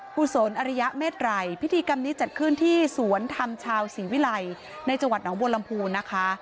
กุศลอริยเมตรัยพิธีกรรมนี้จัดขึ้นที่สวนธรรมชาวศรีวิลัยในจังหวัดหนองบัวลำพูนะคะ